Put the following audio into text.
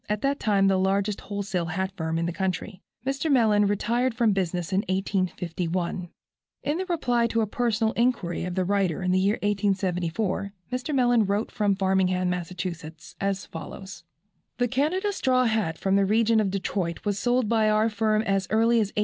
at that time the largest wholesale hat firm in the country. Mr. Mellen retired from business in 1851. In reply to a personal inquiry of the writer in the year 1874, Mr. Mellen wrote from Framingham, Mass., as follows: "The Canada straw hat from the region of Detroit was sold by our firm as early as 1845.